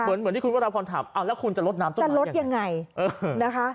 เหมือนเหมือนที่คุณพอถามอ้าวแล้วคุณจะลดน้ำต้นไม้ยังไงจะลดยังไงเออนะคะ